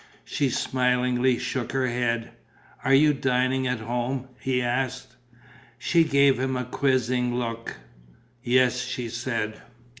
She smilingly shook her head. "Are you dining at home?" he asked. She gave him a quizzing look: "Yes," she said.